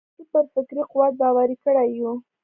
د طرزي پر فکري قوت باوري کړي یو.